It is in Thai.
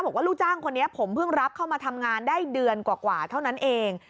ลูกจ้างคนนี้ผมเพิ่งรับเข้ามาทำงานได้เดือนกว่าเท่านั้นเอง